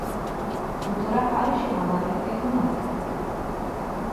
Cultura are și o valoare economică.